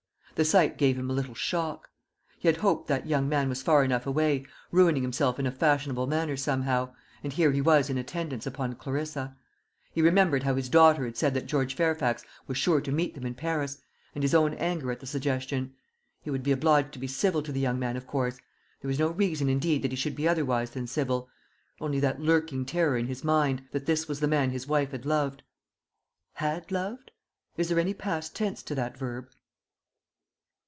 The sight gave him a little shock. He had hoped that young man was far enough away, ruining himself in a fashionable manner somehow; and here he was in attendance upon Clarissa. He remembered how his daughter had said that George Fairfax was sure to meet them in Paris, and his own anger at the suggestion. He would be obliged to be civil to the young man, of course. There was no reason indeed that he should be otherwise than civil only that lurking terror in his mind, that this was the man his wife had loved. Had loved? is there any past tense to that verb?